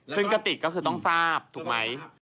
ซึ่งกระติกก็คือต้องทราบถูกไหม